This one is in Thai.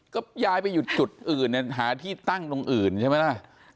ก็ยายไปอยู่จุดอื่นเนี่ยหาที่ตั้งตรงอื่นใช่ไหมล่ะ